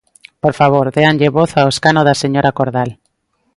Por favor, déanlle voz ao escano da señora Cordal.